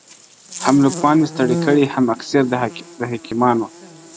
هم لقمان مي ستړی کړی هم اکسیر د حکیمانو-